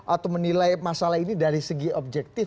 atau menilai masalah ini dari segi objektif